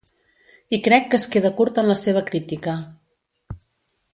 I crec que es queda curt en la seva crítica.